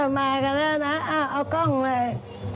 มากันแล้วนะเอากล้องเลย